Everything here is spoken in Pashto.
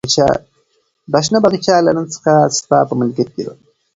دا شنه باغچه له نن څخه ستا په ملکیت کې ده.